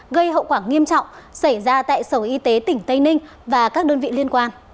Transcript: gây hậu quả nghiêm trọng xảy ra tại sở y tế tỉnh tây ninh và các đơn vị liên quan